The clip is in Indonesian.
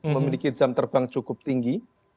memiliki jam terbang cukup tinggi